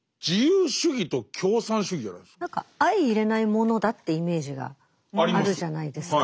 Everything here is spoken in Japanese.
だけど今回もう何か相いれないものだってイメージがあるじゃないですか。